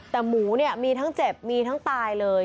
แต่หมูเนี่ยมีทั้งเจ็บมีทั้งตายเลย